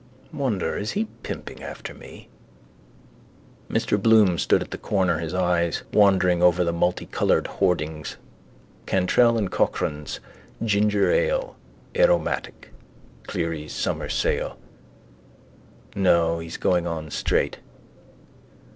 Wonder is he pimping after me? Mr Bloom stood at the corner, his eyes wandering over the multicoloured hoardings. Cantrell and Cochrane's Ginger Ale (Aromatic). Clery's Summer Sale. No, he's going on straight.